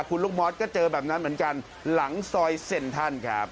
คุณลูกมอสก็เจอแบบนั้นเหมือนกันหลังซอยเซ็นทันครับ